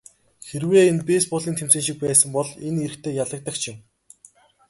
Хэрвээ энэ бейсболын тэмцээн шиг байсан бол энэ эрэгтэй ялагдагч юм.